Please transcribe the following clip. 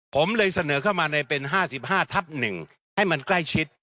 ผมเลยเสนอเข้ามาในเป็น๕๕ทับ๑ให้มันใกล้ชิด